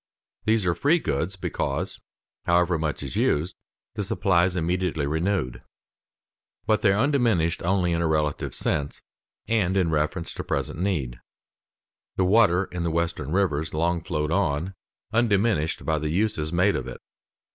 These are free goods because, however much is used, the supply is immediately renewed. But they are undiminished only in a relative sense and in reference to present need. The water in the Western rivers long flowed on, undiminished by the uses made of it.